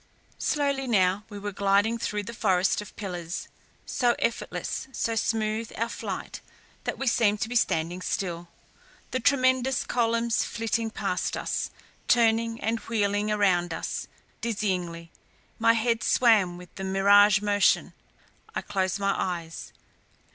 Slowly now we were gliding through the forest of pillars; so effortless, so smooth our flight that we seemed to be standing still, the tremendous columns flitting past us, turning and wheeling around us, dizzyingly. My head swam with the mirage motion, I closed my eyes.